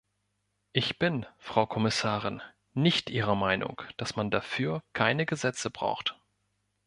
Ich bin, Frau Kommissarin, nicht Ihrer Meinung, dass man dafür keine Gesetze braucht.